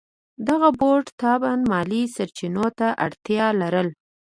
دغه بورډ طبعاً مالي سرچینو ته اړتیا لرله.